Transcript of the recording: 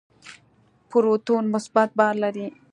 پروتون مثبت بار لري.